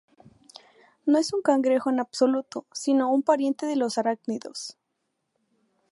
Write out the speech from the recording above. No es un cangrejo en absoluto, sino un pariente de los arácnidos.